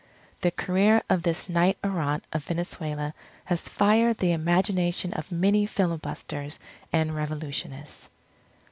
_... _The career of this Knight Errant of Venezuela has fired the imagination of many filibusters and revolutionists.